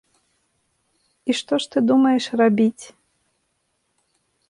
І што ж ты думаеш рабіць?